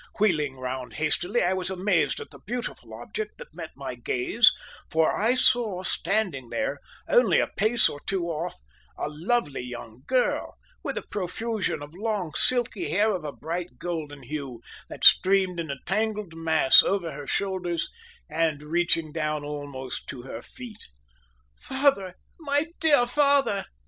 Wheeling round hastily I was amazed at the beautiful object that met my gaze, for I saw standing there, only a pace or two off, a lovely young girl, with a profusion of long silky hair of a bright golden hue, that streamed in a tangled mass over her shoulders, and reaching down almost to her feet. "My father, my dear father!"